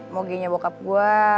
moginya bokap gue